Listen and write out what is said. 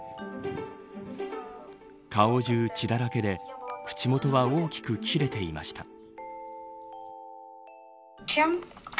顔じゅう血だらけで口元は大きく切れていました。